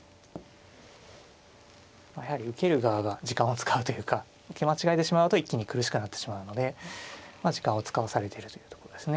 やはり受ける側が時間を使うというか受け間違えてしまうと一気に苦しくなってしまうので時間を使わされてるというとこですね。